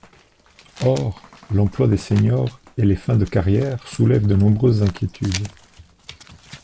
Or, l’emploi des seniors et les fins de carrière soulèvent de nombreuses inquiétudes.